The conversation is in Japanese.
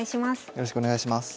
よろしくお願いします。